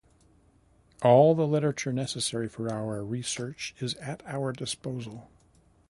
All the literature necessary for our research is at our disposal.